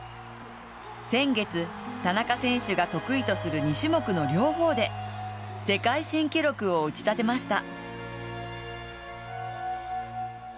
先月、田中選手が得意とする２種目の両方で世界新記録を打ち立てました。